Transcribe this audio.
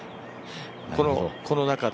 この中で。